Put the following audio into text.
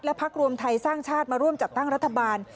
พักรวมไทยสร้างชาติมาร่วมจัดตั้งรัฐบาล